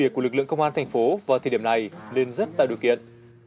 của lực lượng công an thành phố vào thời điểm này lên rất tài đối kiện